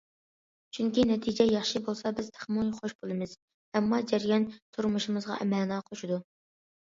چۈنكى نەتىجە ياخشى بولسا، بىز تېخىمۇ خۇش بولىمىز، ئەمما جەريان تۇرمۇشىمىزغا مەنە قوشىدۇ.